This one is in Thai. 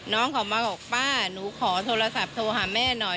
น้องเขามาบอกป้าหนูขอโทรศัพท์โทรหาแม่หน่อย